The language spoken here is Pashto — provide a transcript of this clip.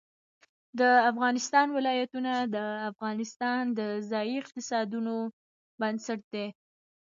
د افغانستان ولايتونه د افغانستان د ځایي اقتصادونو بنسټ دی.